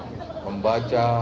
hanya dueh sistem penjagaan